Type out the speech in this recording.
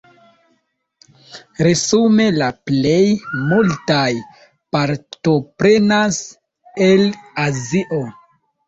Resume la plej multaj partoprenas el Azio.